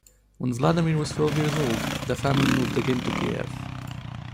When Vladimir was twelve years old, the family moved again to Kiev.